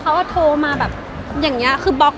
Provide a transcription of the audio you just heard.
เขาเป็นคนที่สังคายเรา